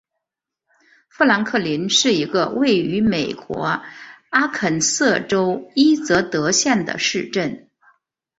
富兰克林是一个位于美国阿肯色州伊泽德县的市镇。